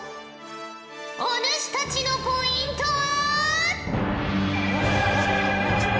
お主たちのポイントは。